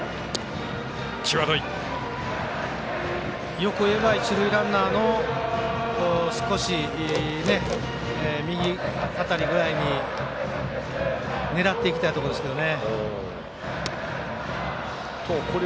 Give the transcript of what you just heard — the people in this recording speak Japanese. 欲を言えば一塁ランナーの少し右辺りぐらいに狙っていきたいところですけどね。